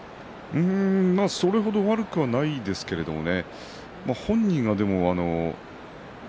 それ程、悪くはないですけれどね。